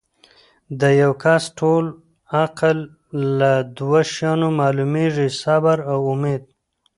د یو کس ټول عقل لۀ دوه شیانو معلومیږي صبر او اُمید